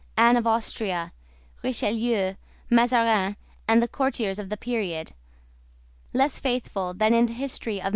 Anne of Austria, Richelieu, Mazarin, and the courtiers of the period, less faithful than in the history of M.